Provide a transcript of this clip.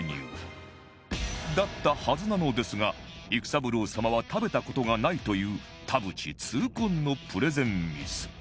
だったはずなのですが育三郎様は食べた事がないという田渕痛恨のプレゼンミス